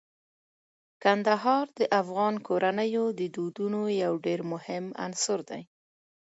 کندهار د افغان کورنیو د دودونو یو ډیر مهم عنصر دی.